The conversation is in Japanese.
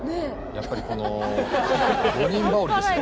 やっぱりこの五人羽織ですね。